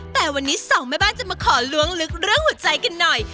แต่วันนี้สองแม่บ้านจะมาขอล้วงลึกเรื่องหัวใจกันหน่อย